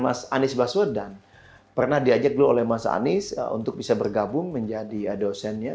mas anies baswedan pernah diajak dulu oleh mas anies untuk bisa bergabung menjadi dosennya